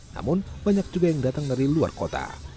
namun banyak juga yang datang dari luar kota